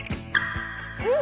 うん！